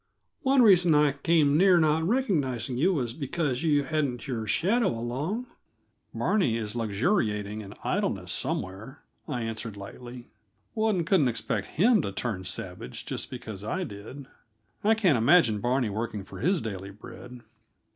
"One reason I came near not recognizing you was because you hadn't your shadow along." "Barney is luxuriating in idleness somewhere," I answered lightly. "One couldn't expect him to turn savage, just because I did. I can't imagine Barney working for his daily bread."